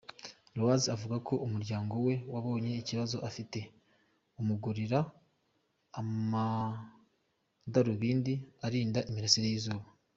Loise avuga ko umuryango we wabonye ikibazo afite umugurira amadarubindi arinda imirasire y’izuba.